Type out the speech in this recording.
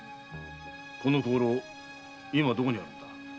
この香炉今はどこにあるんだ？